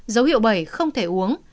dấu hiệu bảy không thể uống